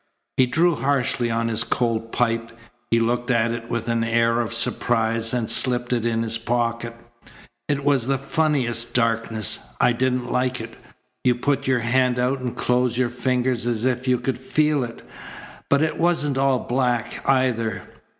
He drew harshly on his cold pipe. He looked at it with an air of surprise, and slipped it in his pocket. "It was the funniest darkness. I didn't like it. You put your hand out and closed your fingers as if you could feel it. But it wasn't all black, either.